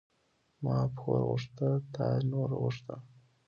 ـ ما پور غوښته تا نور غوښته.